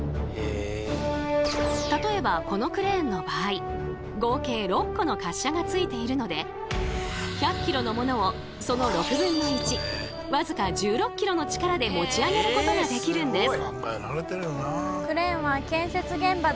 例えばこのクレーンの場合合計６個の滑車がついているので１００ｋｇのものをその６分の１わずか１６ｋｇの力で持ち上げることができるんです。